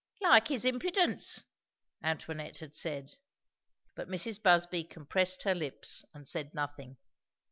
"Like his impudence!" Antoinette had said; but Mrs. Busby compressed her lips and said nothing.